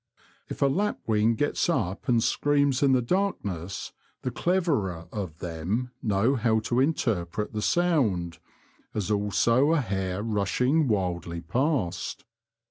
If a lapwing gets up and screams in the darkness the cleverer of them know how to interpret the sound, as also a hare rushing wildly past.